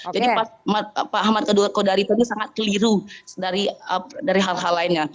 jadi pak ahmad kedua kodari tadi sangat keliru dari hal hal lainnya